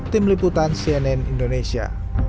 tim liputan cnn indonesia